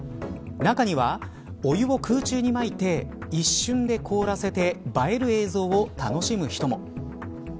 中にはお湯を空中にまいて一瞬で凍らせて映える映像を楽しむ人も。